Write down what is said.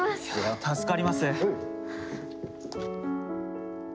助かります。